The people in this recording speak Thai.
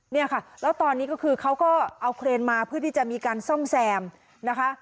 เนี่ยค่ะแล้วตอนนี้ก็คือเขาก็เอาเครนมาเพื่อที่จะมีการซ่อมแซมนะคะ